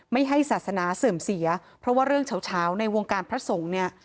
ไม่ให้ศาสนาเสื่อมเสียเพราะว่าเรื่องเฉาในวงการพระสงฆ์เนี่ย